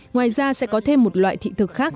ngoài ra sẽ có thêm một loại thị thực khác